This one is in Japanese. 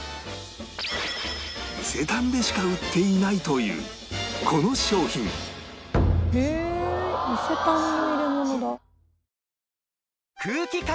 伊勢丹でしか売っていないというこの商品！へえ伊勢丹の入れ物だ。